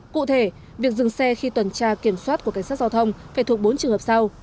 cụ thể việc dừng xe khi tuần tra kiểm soát của cảnh sát giao thông phải thuộc bốn trường hợp sau